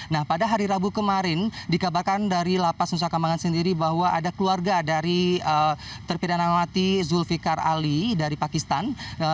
nah pada hari rabu kemarin dikabarkan dari lapas nusa kambangan sendiri bahwa ada keluarga dari terpidana mati zulfikar ali dari pakistan